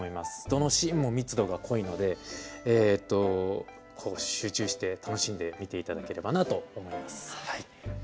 どのシーンも密度が濃いので集中して楽しんで見ていただければなと思います。